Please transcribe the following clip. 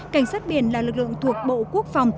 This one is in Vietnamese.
cảnh sát biển là lực lượng thuộc bộ quốc phòng